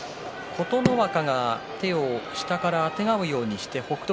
琴ノ若が手を下からあてがうようにして北勝